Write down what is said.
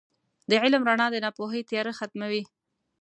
• د علم رڼا د ناپوهۍ تیاره ختموي.